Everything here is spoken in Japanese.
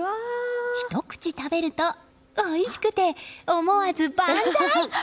ひと口食べると、おいしくて思わずばんざーい！